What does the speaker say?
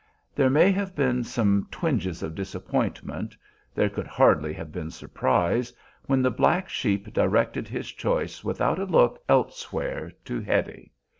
There may have been some twinges of disappointment, there could hardly have been surprise, when the black sheep directed his choice without a look elsewhere to Hetty.